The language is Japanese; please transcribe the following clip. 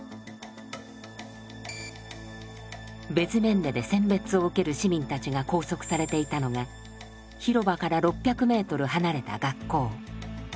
ベズイメンネで選別を受ける市民たちが拘束されていたのが広場から６００メートル離れた学校。